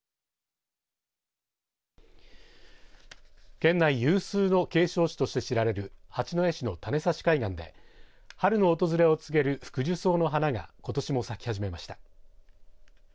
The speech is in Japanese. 県内有数の景勝地として知られる八戸市の種差海岸で春の訪れを告げるフクジュソウの花がことしも咲き始めました。